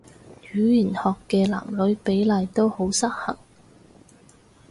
語言學嘅男女比例都好失衡